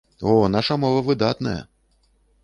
О, наша мова выдатная!